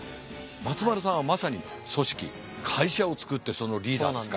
松丸さんはまさに組織会社を作ってそのリーダーですから。